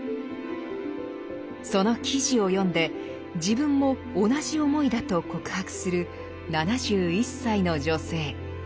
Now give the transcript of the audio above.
その記事を読んで自分も同じ思いだと告白する７１歳の女性。